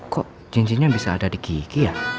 kok cincinnya bisa ada di gigi ya